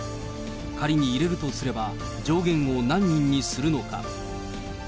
仮に入れるとすれば上限を何人にするのか。